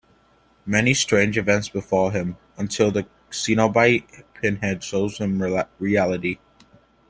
Many strange events befall him, until the Cenobite Pinhead shows him reality.